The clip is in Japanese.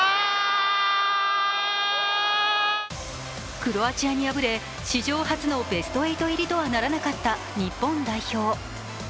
クロアチアに敗れ史上初のベスト８入りとはならなかった日本代表